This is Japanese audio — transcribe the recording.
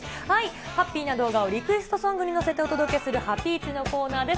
ハッピーな動画をリクエストソングに乗せてお届けするハピイチのコーナーです。